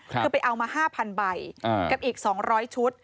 คือไปเอามาห้าพันใบกับอีกสองร้อยชุด